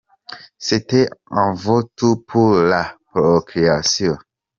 C’etait avant tout pour la “procréation”.